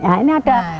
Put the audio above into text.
nah ini ada